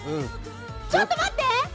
ちょっと待って！